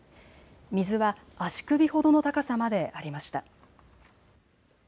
水は足首ほどの高さまでありました。